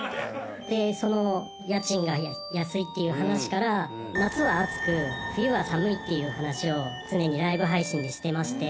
「でその家賃が安いっていう話から夏は暑く冬は寒いっていう話を常にライブ配信でしていまして」